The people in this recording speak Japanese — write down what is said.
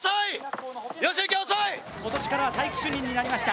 今年からは体育主任になりました。